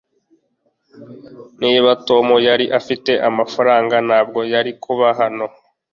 niba tom yari afite amafaranga, ntabwo yari kuba hano